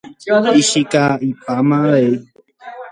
Ichika'ipáma avei.